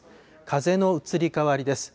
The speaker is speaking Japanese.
風の移り変わりです。